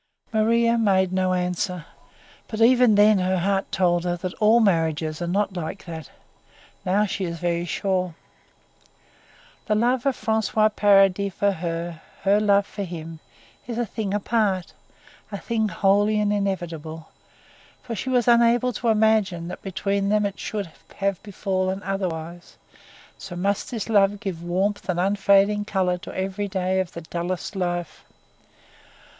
Maria made no answer, but even then her heart told her that all marriages are not like that; now she is very sure. The love of François Paradis for her, her love for him, is a thing apart a thing holy and inevitable for she was unable to imagine that between them it should have befallen otherwise; so must this love give warmth and unfading colour to every day of the dullest life.